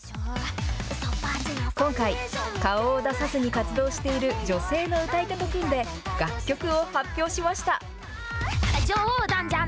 今回、顔を出さずに活動している女性の歌い手と組んで、楽曲を発表しました。